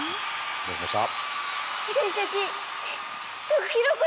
どうしました？